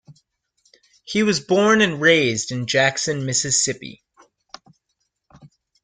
He was born and raised in Jackson, Mississippi.